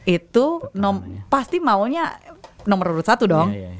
itu pasti maunya nomor urut satu dong